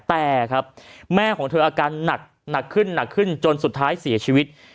แต่แม่ของเธออาการหนักขึ้นจนสุดท้ายเสียชีวิต